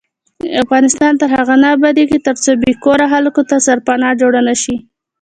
افغانستان تر هغو نه ابادیږي، ترڅو بې کوره خلکو ته سرپناه جوړه نشي.